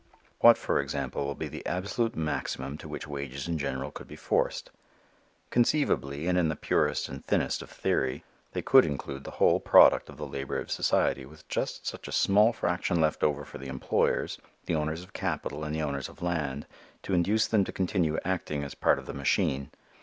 What, for example, will be the absolute maximum to which wages in general could be forced? Conceivably and in the purest and thinnest of theory, they could include the whole product of the labor of society with just such a small fraction left over for the employers, the owners of capital and the owners of land to induce them to continue acting as part of the machine.